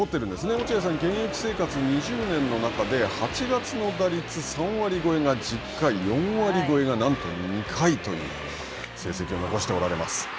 落合さん、現役生活２０年の中で８月の打率、３割超えが１０回、４割超えがなんと２回という成績を残しておられます。